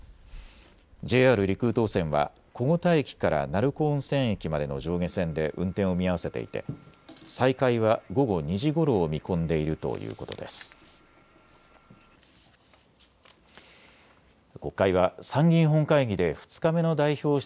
ＪＲ陸羽東線は小牛田駅から鳴子温泉駅までの上下線で運転を見合わせていて再開は午後２時ごろを見込んでいるということです。